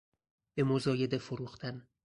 به مزایده فروختن